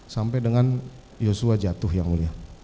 sampai dengan yosua jatuh yang mulia